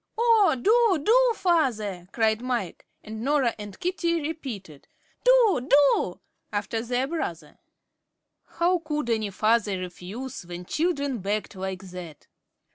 "Oh, do, do, father!" cried Mike, and Norah and Katie repeated, "Do, do," after their brother. How could any father refuse when children begged like that?